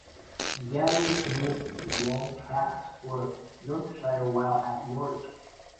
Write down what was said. Gary Smith won cap(s) for Yorkshire while at York.